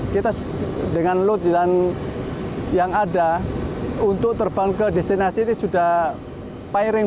kita dengan load dan yang ada untuk terbang ke destinasi ini sudah piring